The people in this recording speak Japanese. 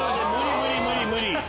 無理無理無理！